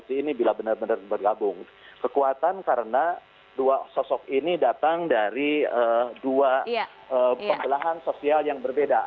tetapi kalau sesuatu yang